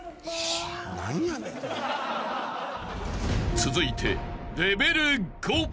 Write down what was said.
［続いて］